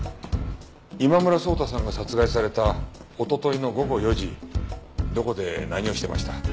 今村草太さんが殺害された一昨日の午後４時どこで何をしてました？